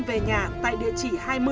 về nhà tại địa chỉ hai mươi